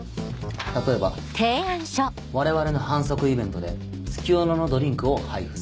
例えば我々の販促イベントで月夜野のドリンクを配布する。